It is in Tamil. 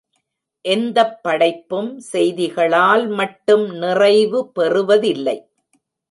எந்தப் படைப்பும் செய்திகளால் மட்டும் நிறைவு பெறுவதில்லை.